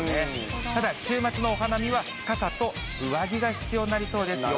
ただ、週末のお花見は、傘と上着が必要になりそうですよ。